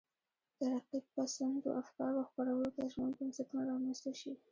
ترقي پسندو افکارو خپرولو ته ژمن بنسټونه رامنځته شي.